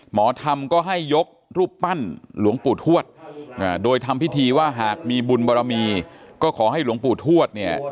หมอธรรมก็ให้ยกรูปปั้นหลวงปู่ทวดโดยทำพิธีว่าหากมีบุญบารมีก็ขอให้หลวงปู่ทวดเนี่ย